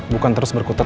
bukan terus berkutat